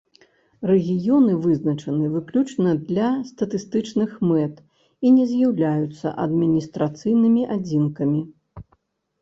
Рэгіёны вызначаны выключна для статыстычных мэт і не з'яўляюцца адміністрацыйнымі адзінкамі.